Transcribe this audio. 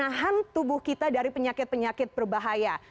jadi kalau kita dapat menahan tubuh kita dari penyakit penyakit berbahaya